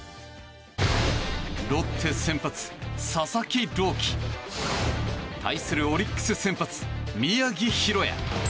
ロッテ先発、佐々木朗希。対するオリックス先発宮城大弥。